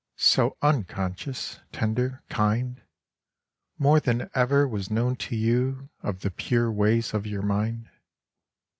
So unconscious, tender, kind, More than ever was known to you Of the pure ways of your mind.